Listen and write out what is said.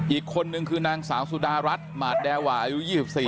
อีกคนนึงคือนางสาวสุดารัฐหมาดแดวาอายุ๒๔